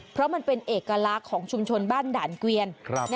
เพราะมันเป็นเอกลักษณ์ของชุมชนบ้านด่านเกวียน